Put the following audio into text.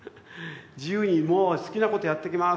「自由にもう好きなことやってきます。